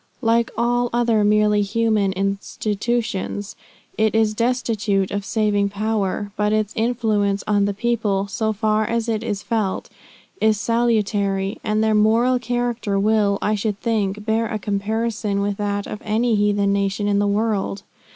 Like all other merely human institutions, it is destitute of saving power; but its influence on the people, so far as it is felt, is salutary, and their moral character will, I should think, bear a comparison with that of any heathen nation in the world.